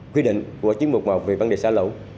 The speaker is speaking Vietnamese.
quy định của chương trình vận hành vấn đề xã lấu